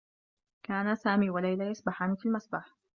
كانا سامي و ليلى يسبحان في المسبح.